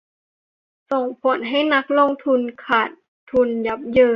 ส่งผลให้นักลงทุนขาดทุนยับเยิน